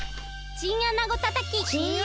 チンアナゴたたき？